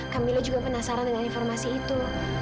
kamila juga penasaran dengan informasi itu